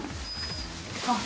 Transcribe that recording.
あっ。